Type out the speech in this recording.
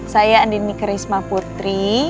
saya andini karisma putri